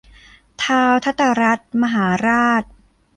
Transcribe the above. ท้าวธตรัฐมหาราช